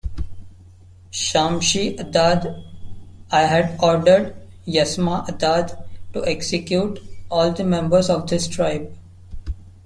Shamshi-Adad I had ordered Yasmah-Adad to execute all the members of this tribe.